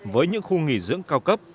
với những khu nghỉ dưỡng cao cấp